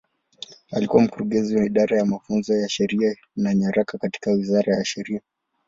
Alikuwa Mkurugenzi wa Idara ya Mafunzo ya Sheria na Nyaraka katika Wizara ya Sheria.